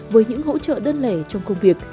với những hỗ trợ đơn lẻ trong công việc